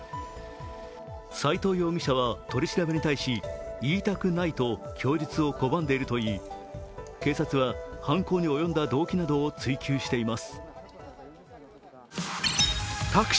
斉藤容疑者は取り調べに対し言いたくないと供述を拒んでいるといい、警察は犯行に及んだ動機などを追及しています。